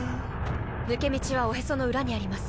抜け道はおへその裏にあります。